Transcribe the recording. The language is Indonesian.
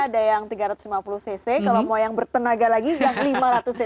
ada yang tiga ratus lima puluh cc kalau mau yang bertenaga lagi yang lima ratus cc